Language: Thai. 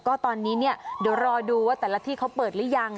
ก็ตอนนี้เนี่ยรอดูว่าแต่ละที่เขาเปิดรึยัง